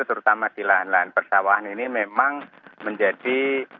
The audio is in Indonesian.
terutama di lahan lahan persawahan ini memang menjadi